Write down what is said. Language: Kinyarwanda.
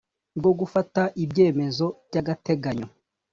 bwo gufata ibyemezo by agateganyo